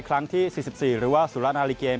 ครั้งที่๔๔หรือว่าสุรัตนอาริเกม